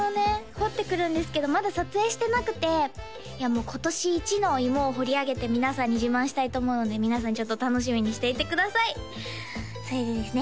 掘ってくるんですけどまだ撮影してなくて今年一のいもを掘りあげて皆さんに自慢したいと思うので皆さんちょっと楽しみにしていてくださいそれでですね